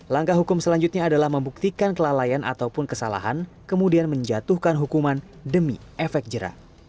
langkah hukum selanjutnya adalah membuktikan kelalaian ataupun kesalahan kemudian menjatuhkan hukuman demi efek jerah